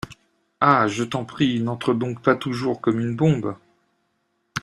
Ah ! je t’en prie, n’entre donc pas toujours comme une bombe !…